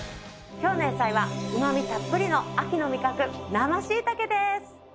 今日の野菜はうま味たっぷりの秋の味覚生しいたけです。